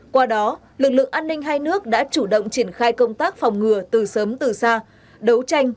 qua đó lực lượng an ninh hai nước đã chủ động triển khai công tác phòng ngừa từ sớm từ xa đấu tranh